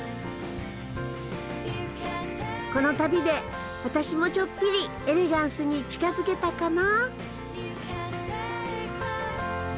この旅で私もちょっぴりエレガンスに近づけたかな？